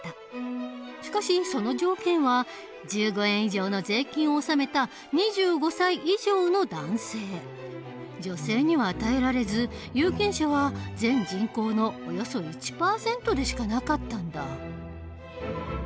しかしその条件は女性には与えられず有権者は全人口のおよそ１％でしかなかったんだ。